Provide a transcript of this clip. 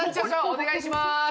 お願いします